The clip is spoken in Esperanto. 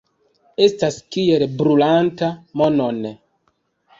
Estas kiel brulanta monon.